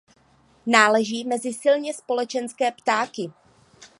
Náleží mezi silně společenské ptáky.